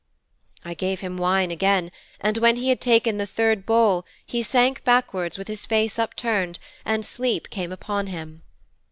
"' 'I gave him wine again, and when he had taken the third bowl he sank backwards with his face upturned, and sleep came upon him.